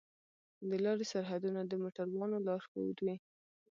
د لارې سرحدونه د موټروانو لارښود وي.